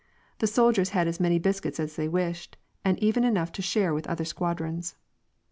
The sol diers had as many biscuits as they wished, and even enough to share with other squadrons.